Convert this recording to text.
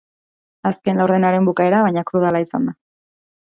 Azken laurdenaren bukaera, baina, krudela izan da.